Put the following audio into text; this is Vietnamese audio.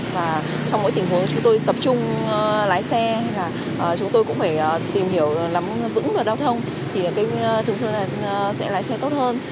và trong mỗi tình huống chúng tôi tập trung lái xe chúng tôi cũng phải tìm hiểu nắm vững luật giao thông thì thường xuyên là sẽ lái xe tốt hơn